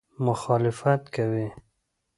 مخالفت کوي.